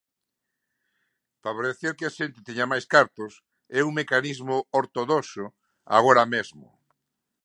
Favorecer que a xente teña máis cartos é un mecanismo ortodoxo agora mesmo.